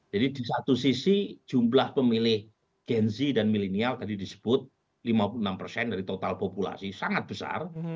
jadi di satu sisi jumlah pemilih gen z dan millennial tadi disebut lima puluh enam dari total populasi sangat besar